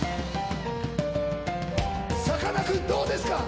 さかなクンどうですか？